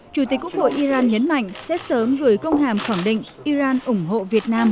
chủ tịch quốc hội iran nhấn mạnh rất sớm gửi công hàm khẳng định iran ủng hộ việt nam